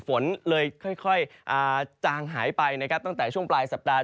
ฝนเลยค่อยจางหายไปนะครับตั้งแต่ช่วงปลายสัปดาห